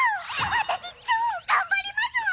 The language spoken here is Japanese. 私超頑張りますわ！